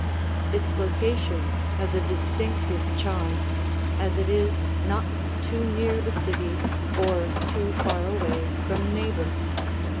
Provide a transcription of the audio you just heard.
Its location has a distinctive charm, as it is not too near the city or too far away from neighbors.